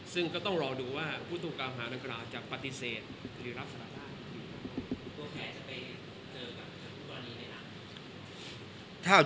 ซึ่งก็ต้องรอดูว่าผู้ถูกกล่าวหานักกล่าวจะปฏิเสธหรือรับสารภาพ